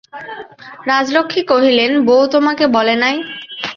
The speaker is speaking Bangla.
রাজলক্ষ্মী কহিলেন, বউ তোমাকে বলে নাই?